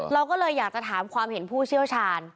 เราก็เลยอยากจะถามความเห็นผู้เชี่ยวชาญ